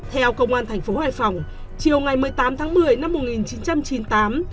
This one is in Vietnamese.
theo công an thành phố hải phòng chiều ngày một mươi tám tháng một mươi năm một nghìn chín trăm chín mươi tám